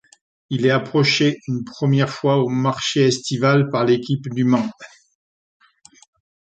Il est approché une première fois au marché estival par l'équipe du Mans.